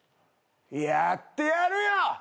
やってやるよ！